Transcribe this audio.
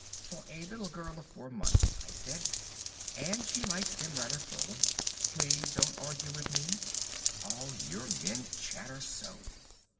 "For a little girl of four months," I said, "and she likes them rather full. Please don't argue with me. All your men chatter so."